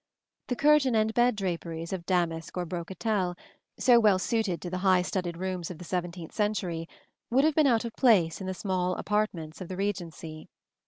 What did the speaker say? The curtains and bed draperies of damask or brocatelle, so well suited to the high studded rooms of the seventeenth century, would have been out of place in the small apartments of the Regency.